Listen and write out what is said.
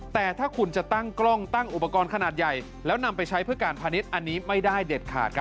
แต่ถ้าคุณจะตั้งกล้องตั้งอุปกรณ์ขนาดใหญ่แล้วนำไปใช้เพื่อการพาณิชย์อันนี้ไม่ได้เด็ดขาด